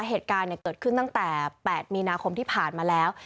เหตุการณ์เกิดขึ้นตั้งแต่๘มีนาคมที่ผ่านมาแล้ว